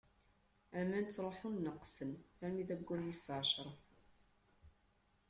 Aman ttṛuḥun neqqsen armi d aggur wis ɛecṛa.